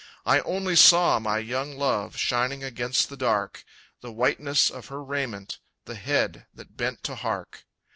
I only saw my young love Shining against the dark, The whiteness of her raiment, The head that bent to hark.